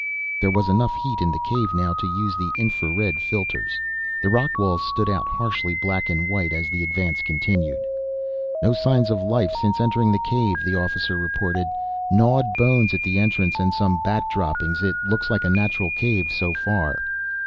There was enough heat in the cave now to use the infra red filters. The rock walls stood out harshly black and white as the advance continued. "No signs of life since entering the cave," the officer reported. "Gnawed bones at the entrance and some bat droppings. It looks like a natural cave so far."